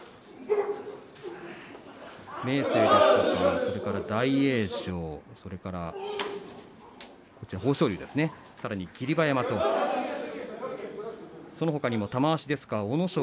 明生ですとか大栄翔それから豊昇龍ですねさらに霧馬山とそのほかにも玉鷲阿武咲